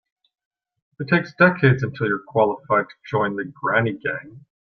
It takes decades until you're qualified to join the granny gang.